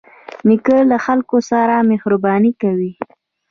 نیکه له خلکو سره مهرباني کوي.